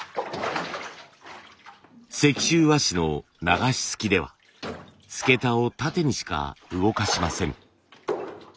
石州和紙の流しすきでは簀桁を縦にしか動かしません。